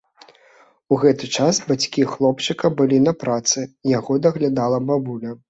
У гэты час бацькі хлопчыка былі на працы, яго даглядала бабуля.